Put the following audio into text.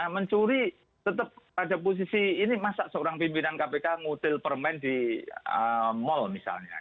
mencuri tetap pada posisi ini masa seorang pimpinan kpk ngutil permen di mal misalnya